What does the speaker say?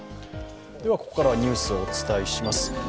ここからはニュースをお伝えします。